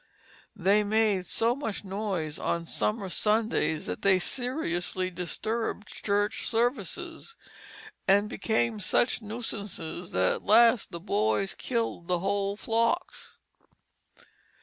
They made so much noise on summer Sundays that they seriously disturbed church services; and became such nuisances that at last the boys killed whole flocks.